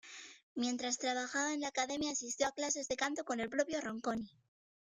Mientras trabajaba en la academia asistió a clases de canto con el propio Ronconi.